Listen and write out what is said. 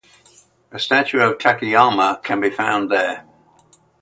A statue of Takayama can be found there.